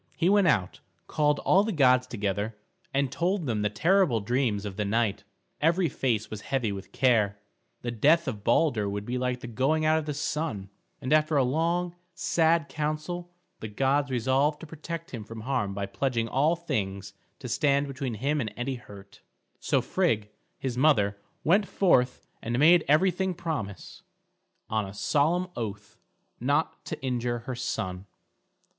He went out, called all the gods together, and told them the terrible dreams of the night. Every face was heavy with care. The death of Balder would be like the going out of the sun, and after a long, sad council the gods resolved to protect him from harm by pledging all things to stand between him and any hurt. So Frigg, his mother, went forth and made everything promise, on a solemn oath, not to injure her son.